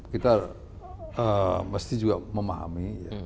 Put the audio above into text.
kita mesti juga memahami